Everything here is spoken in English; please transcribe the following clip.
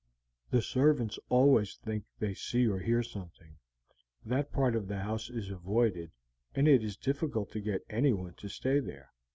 The servants always think they see or hear something. That part of the house is avoided, and it is difficult to get anyone to stay there.